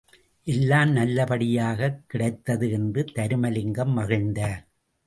எல்லாம் நல்ல படியாகக் கிடைத்தது என்று தருமலிங்கம் மகிழ்ந்தார்.